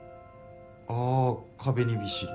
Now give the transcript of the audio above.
ああ壁にびっしり？